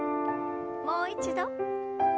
もう一度。